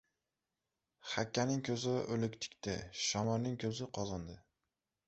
• Hakkaning ko‘zi ― o‘liktikda, shomonning ko‘zi ― qozonda.